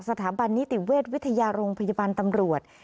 สถาบันนิติเวชวิทยาโรงพยาบาลตำรวจ